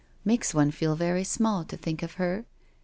Makes one feel very small to think of her.